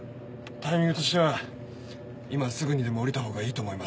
タイミングとしては今すぐにでも降りた方がいいと思います。